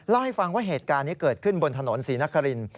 เล่าให้ฟังว่าเหตุการณ์นี้เกิดขึ้นบนถนนศรีนคริน